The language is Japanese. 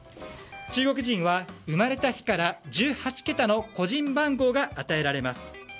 中国人は、生まれた日から１８桁の個人番号が与えられます。